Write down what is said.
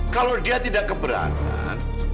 kalau dia tidak keberatan